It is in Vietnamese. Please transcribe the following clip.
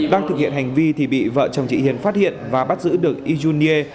đang thực hiện hành vi thì bị vợ chồng chị hiền phát hiện và bắt giữ được yijun nie